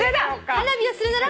「花火をするなら」